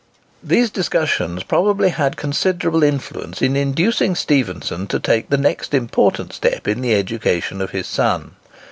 These discussions probably had considerable influence in inducing Stephenson to take the next important step in the education of his son.